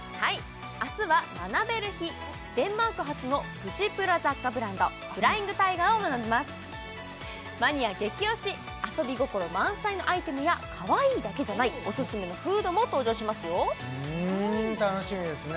明日は学べる日デンマーク発のプチプラ雑貨ブランドフライングタイガーを学びますマニア激推し遊び心満載のアイテムやかわいいだけじゃないオススメのフードも登場しますよふん楽しみですね